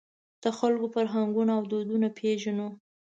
د خلکو فرهنګونه او دودونه پېژنو.